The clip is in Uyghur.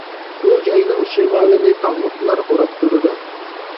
بۇ جاينىڭ شىمالىنى تاغلىقلار ئوراپ تۇرىدۇ.